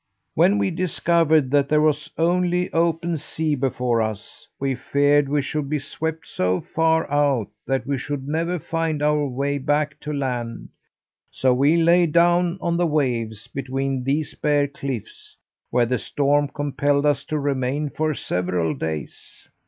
When we discovered that there was only open sea before us, we feared we should be swept so far out that we should never find our way back to land, so we lay down on the waves between these bare cliffs, where the storm compelled us to remain for several days.